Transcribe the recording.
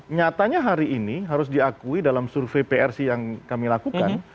nyatanya hari ini harus diakui dalam survei prc yang kami lakukan